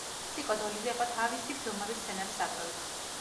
სიკო დოლიძე იყო თავისი ფილმების სცენარის ავტორიც.